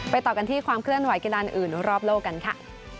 ต่อกันที่ความเคลื่อนไหกีฬาอื่นรอบโลกกันค่ะ